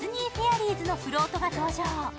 リーズのフロートが登場。